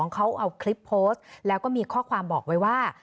เขาเอาคลิปโพสต์แล้วก็มีข้อความบอกไว้ว่า